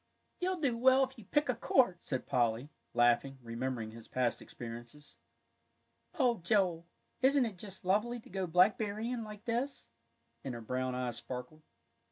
"You'll do well if you pick a quart," said Polly, laughing, remembering his past experiences. "Oh, Joel, isn't it just lovely to go blackberrying like this!" and her brown eyes sparkled.